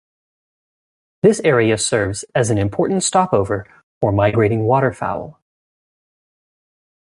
This area serves as an important stopover for migrating waterfowl.